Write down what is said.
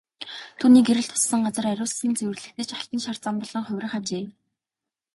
Түүний гэрэл туссан газар ариусан цэвэрлэгдэж алтан шар зам болон хувирах ажээ.